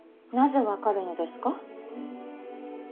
なぜ分かるのですか。